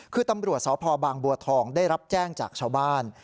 คือตำรวจสพบางบัวทองได้รับแจ้งจากชาวบ้าน